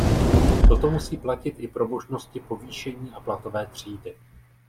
Toto musí platit i pro možnosti povýšení a platové třídy.